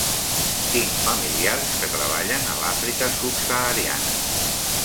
Tinc familiars que treballen a l'Àfrica subsahariana.